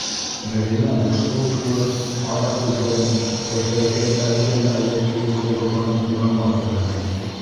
- Мәҙинә борсолоу тулы ҡара күҙҙәрен тәҙрәгә әлдән-әле килеп һуғылған буранға төбәне.